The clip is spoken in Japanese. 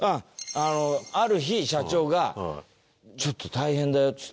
ある日社長が「ちょっと大変だよ」っつって。